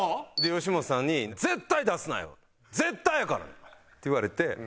吉本さんに「絶対出すなよ！絶対やからな！」って言われて。